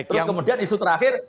terus kemudian isu terakhir